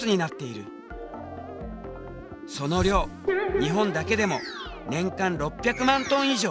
その量日本だけでも年間６００万トン以上。